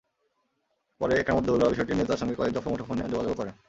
পরে একরামুদৌলা বিষয়টি নিয়ে তাঁর সঙ্গে কয়েক দফা মুঠোফোনে যোগাযোগও করেন।